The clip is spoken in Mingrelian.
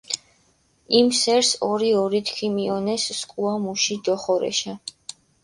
იმ სერს ორი-ორით ქიმიჸონეს სქუა მუში დოხორეშა.